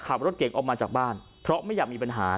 ขับรถเก่งออกมาจากบ้านเพราะไม่อยากมีปัญหา